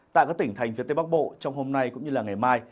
tại các tỉnh thành phía tây bắc bộ trong hôm nay cũng như ngày mai